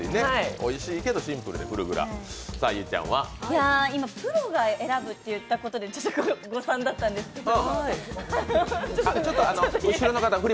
おいしいけどシンプルで、フルグラ今プロが選ぶって言ったことが誤算だったんですけれども。